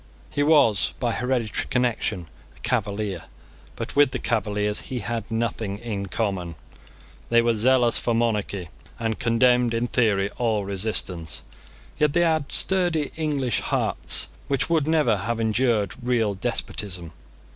He was, by hereditary connection, a Cavalier: but with the Cavaliers he had nothing in common. They were zealous for monarchy, and condemned in theory all resistance. Yet they had sturdy English hearts which would never have endured real despotism.